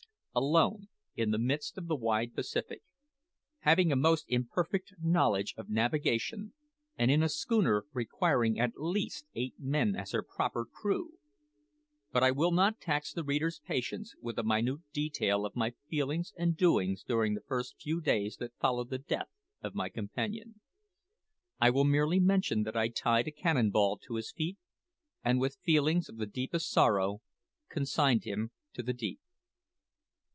Alone in the midst of the wide Pacific, having a most imperfect knowledge of navigation, and in a schooner requiring at least eight men as her proper crew! But I will not tax the reader's patience with a minute detail of my feelings and doings during the first few days that followed the death of my companion. I will merely mention that I tied a cannon ball to his feet, and with feelings of the deepest sorrow, consigned him to the deep.